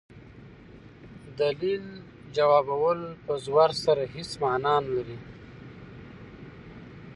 دلیل ځوابول په زور سره هيڅ مانا نه لري.